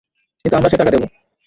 কিন্তু আমরা সে টাকা দেবো।